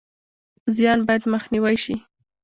زیان باید مخنیوی شي